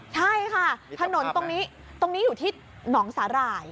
ใช่ค่ะถนนตรงนี้ตรงนี้อยู่ที่หนองสาหร่าย